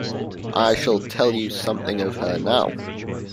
I shall tell you something of her now.